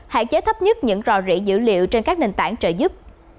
hạn chế thấp nhất những rò rỉ dữ liệu trên các nền tảng trợ giúp